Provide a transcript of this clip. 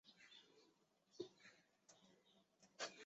奥恩河是奥恩省的省名来源。